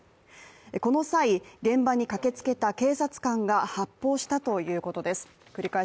この際、現場に駆けつけた警察官が発砲したということです。